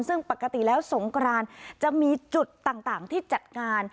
ซึ่งปกติแล้วสงกรานจะมีจุดต่างที่จัดงาน